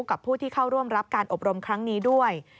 กับผู้ที่เข้าร่วมรับการอบรมครั้งนี้ด้วย